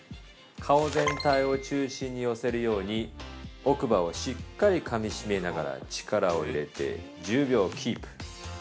顔全体を中心に寄せるように奥歯をしっかりかみしめながら力を入れて１０秒キープ。